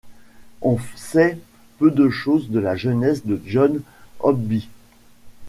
On sait peu de choses de la jeunesse de John Hothby.